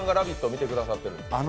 見てくださってるんですか？